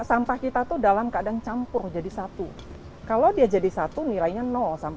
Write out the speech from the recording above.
rama herawati penggagasnya berinisiatif menularkan kesadaran peduli lingkungan